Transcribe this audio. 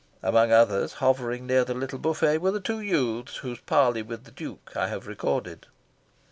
Among others hovering near the little buffet were the two youths whose parley with the Duke I have recorded.